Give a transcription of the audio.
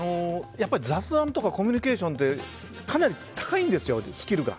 やっぱり雑談とかコミュニケーションってかなり高いんですよ、スキルが。